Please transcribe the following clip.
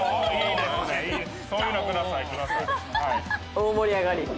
大盛り上がり。